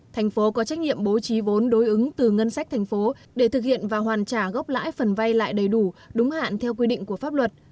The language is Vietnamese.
tp hcm có trách nhiệm bố trí vốn đối ứng từ ngân sách tp hcm để thực hiện và hoàn trả gốc lãi phần vay lại đầy đủ đúng hạn theo quy định của pháp luật